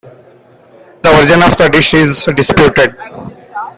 The origin of the dish is disputed.